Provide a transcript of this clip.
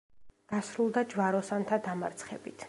დასრულდა ჯვაროსანთა დამარცხებით.